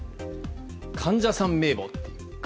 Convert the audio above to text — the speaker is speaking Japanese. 患者さん名簿。